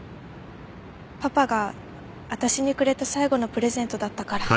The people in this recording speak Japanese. パパが私にくれた最後のプレゼントだったから。